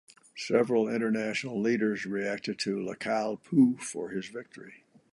Several international leaders reacted to Lacalle Pou for his victory.